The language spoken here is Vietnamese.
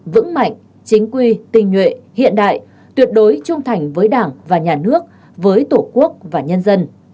tưởng mạnh chính quy tình nguyện hiện đại tuyệt đối trung thành với đảng và nhà nước với tổ quốc và nhân dân